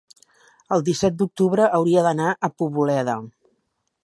el disset d'octubre hauria d'anar a Poboleda.